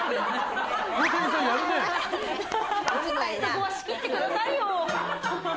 そこは仕切ってくださいよ！